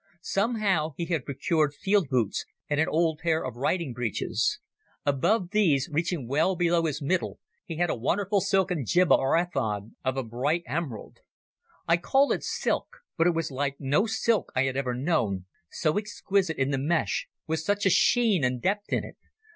Somehow he had procured field boots and an old pair of riding breeches. Above these, reaching well below his middle, he had a wonderful silken jibbah or ephod of a bright emerald. I call it silk, but it was like no silk I have ever known, so exquisite in the mesh, with such a sheen and depth in it.